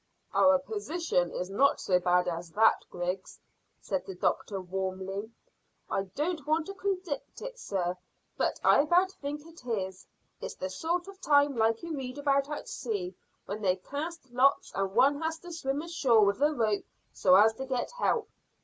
"Our position is not so bad as that, Griggs," said the doctor warmly. "I don't want to contradict, sir, but I about think it is. It's the sort of time like you read about at sea when they cast lots and one has to swim ashore with a rope so as to get help.